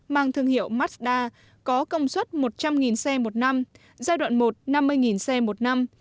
mang thương hiệu mazda có công suất một trăm linh xe một năm giai đoạn một năm mươi xe một năm